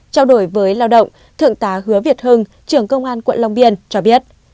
trao đổi với lao động thượng tá hứa việt hưng trưởng công an quận long biên cho biết